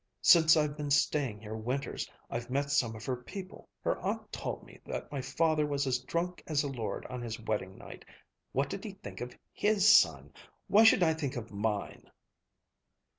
Since I've been staying here winters, I've met some of her people. Her aunt told me that my father was as drunk as a lord on his wedding night What did he think of his son? Why should I think of mine?"